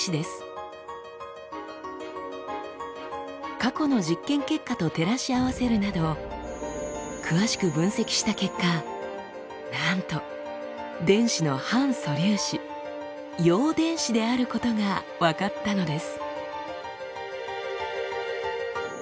過去の実験結果と照らし合わせるなど詳しく分析した結果なんと電子の反素粒子陽電子であることが分かったのです。